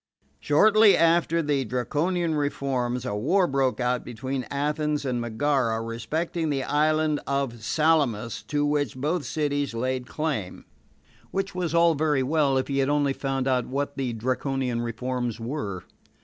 Shortly after the Draconian reforms, a war broke out between Athens and Megara respecting the island of Salamis, to which, both cities laid claim. Which was all very well, if he had only found out what the Draconian reforms were.